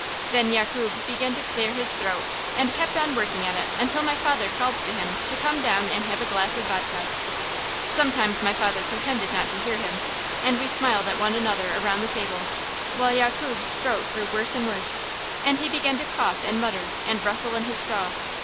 Then Yakub began to clear his throat and kept on working at it until my father called to him to come down and have a glass of vodka. Sometimes my father pretended not to hear him, and we smiled at one another around the table, while Yakub's throat grew worse and worse, and he began to cough and mutter and rustle in his straw.